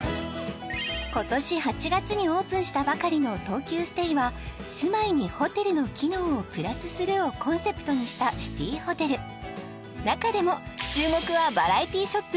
今年８月にオープンしたばかりの東急ステイは「住まいにホテルの機能をプラスする」をコンセプトにしたシティーホテル中でも注目はバラエティーショップ